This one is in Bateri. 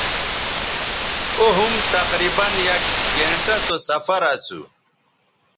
او ھُم تقریباً یک گھنٹہ سو سفراسو